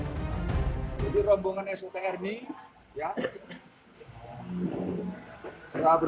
jadi rombongan sotr ini ya sudah bergelombol